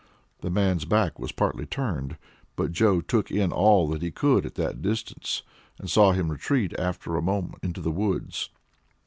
The man's back was partly turned, but Joe took in all that he could at that distance, and saw him retreat after a moment into the woods.